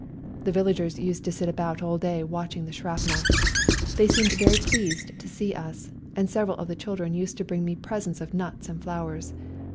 The villagers used to sit about all day watching the shrapnel. They seemed very pleased to see us, and several of the children used to bring me presents of nuts and flowers.